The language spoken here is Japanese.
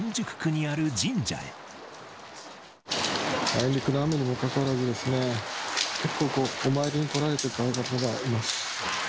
あいにくの雨にもかかわらずですね、結構お参りに来られている方がいます。